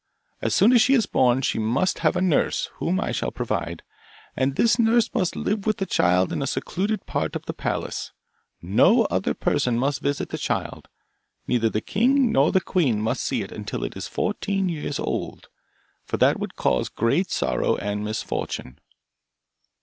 As soon as she is born, she must have a nurse, whom I shall provide, and this nurse must live with the child in a secluded part of the palace; no other person must visit the child; neither the king nor the queen must see it until it is fourteen years old, for that would cause great sorrow and misfortune.